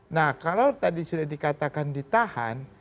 nah kalau tadi sudah dikatakan ditahan